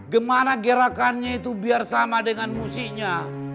gimana gerakannya itu biar sama dengan musiknya